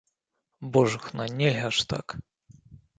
Божухна, нельга ж так!